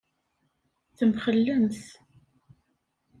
Temxellemt.